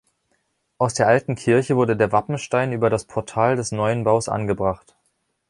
Aus der alten Kirche wurde der Wappenstein über das Portal des neuen Baus angebracht.